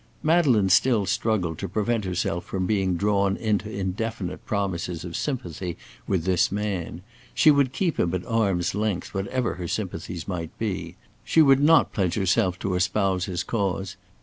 Madeleine still struggled to prevent herself from being drawn into indefinite promises of sympathy with this man. She would keep him at arm's length whatever her sympathies might be. She would not pledge herself to espouse his cause.